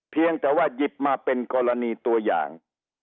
เพียงแต่ว่าหยิบมาเป็นกรณีตัวอย่าง